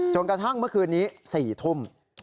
กระทั่งเมื่อคืนนี้๔ทุ่ม